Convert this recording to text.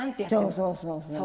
そうそうそう。